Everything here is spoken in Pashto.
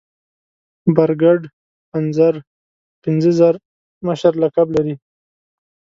برګډ پنځر پنځه زر مشر لقب لري.